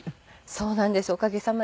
そうなんですおかげさまで。